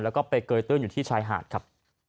แล้วก็ไปเกยตื้นอยู่ที่ชายหาดครับ